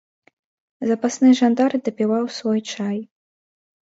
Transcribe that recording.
Запасны жандар дапіваў свой чай.